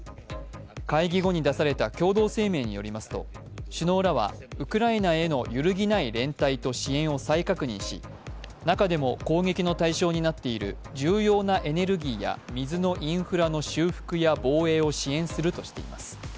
会議後に出された共同声明によりますと、首脳らは、ウクライナへの揺るぎない連帯と支援を再確認し中でも攻撃の対象になっている重要なエネルギーや水のインフラの修復や防衛を支援するとしています。